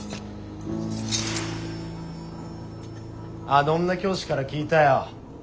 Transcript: あの女教師から聞いたよ。